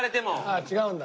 ああ違うんだ。